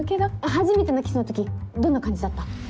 初めてのキスの時どんな感じだった？